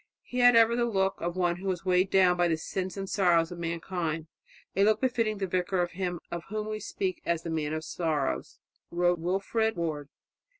He had ever the look of one who is weighed down by the sins and the sorrows of mankind a look befitting the vicar of Him of whom we speak as the Man of Sorrows," wrote Wilfrid Ward.